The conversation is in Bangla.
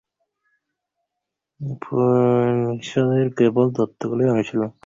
বৈকালবেলা হইতে আবার ভয়ানক বৃষ্টি নামিল।